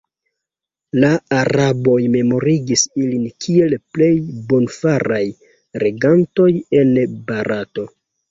La araboj memorigis ilin kiel plej bonfaraj regantoj en Barato.